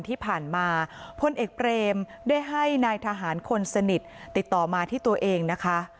ที่ผ่านมาพลเอกเบรมได้ให้นายทหารคนสนิทติดต่อมาที่ตัวเองนะคะ